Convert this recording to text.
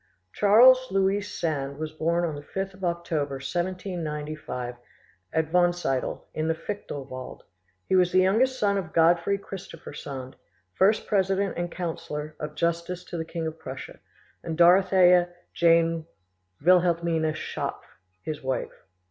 Charles Louis Sand was born on the 5th of October, 1795, at Wonsiedel, in the Fichtel Wald; he was the youngest son of Godfrey Christopher Sand, first president and councillor of justice to the King of Prussia, and of Dorothea Jane Wilheltmina Schapf, his wife.